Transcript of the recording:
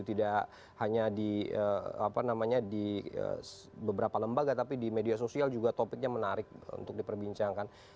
tidak hanya di beberapa lembaga tapi di media sosial juga topiknya menarik untuk diperbincangkan